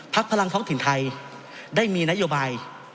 พลังท้องถิ่นไทยได้มีนโยบาย